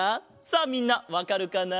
さあみんなわかるかな？